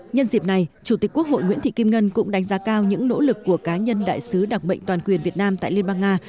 nhân dịp này chủ tịch quốc hội nguyễn thị kim ngân cũng đánh giá cao những nỗ lực của cá nhân đại sứ đặc mệnh toàn quyền việt nam tại liên bang nga